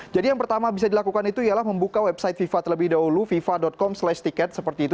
jadi yang pertama bisa dilakukan itu ialah membuka website fifa terlebih dahulu fifa com ticket seperti itu